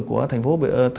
của thành phố